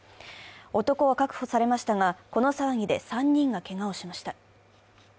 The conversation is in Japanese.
男は確保されましたがこの騒ぎで３人がけがをしました。